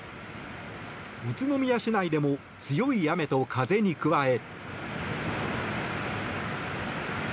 宇都宮市内でも強い雨と風に加え。